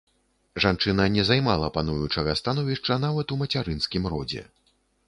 Жанчына не займала пануючага становішча нават у мацярынскім родзе.